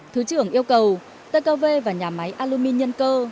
thứ trưởng yêu cầu tkv và nhà máy alumin nhân cơ